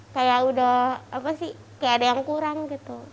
apa sih kayak ada yang kurang gitu